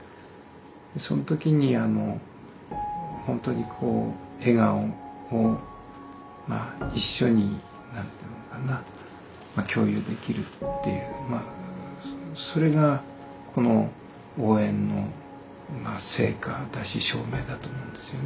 その時にはもう本当に笑顔を一緒に何ていうのかな共有できるっていうそれがこの応援の成果だし証明だと思うんですよね。